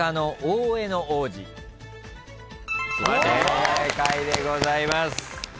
正解でございます。